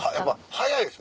早いです。